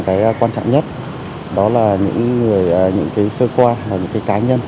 cái quan trọng nhất đó là những người những cái cơ quan và những cái cá nhân